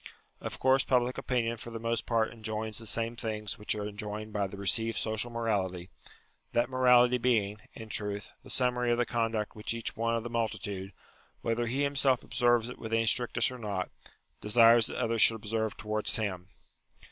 Of course public opinion for the most part enjoins the same things which are enjoined by the received social morality ; that morality being, in truth, the summary of the conduct which each one of the multitude, whether he himself ob serves it with any strictness or not, desires that others should observe towards him.